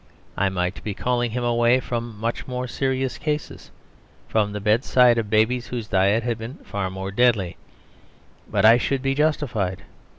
I might be calling him away from much more serious cases, from the bedsides of babies whose diet had been far more deadly; but I should be justified.